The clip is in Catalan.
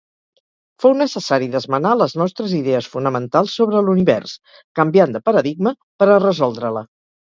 Fou necessari d'esmenar les nostres idees fonamentals sobre l'univers, canviant de paradigma, per a resoldre-la.